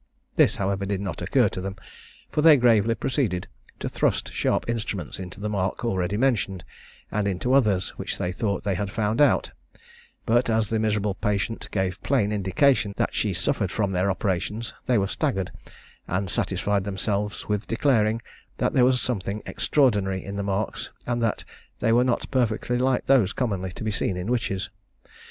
This, however, did not occur to them; for they gravely proceeded to thrust sharp instruments into the mark already mentioned, and into others which they thought they had found out; but, as the miserable patient gave plain indication that she suffered from their operations, they were staggered, and satisfied themselves with declaring, that there was something extraordinary in the marks, and that they were not perfectly like those commonly to be seen in witches.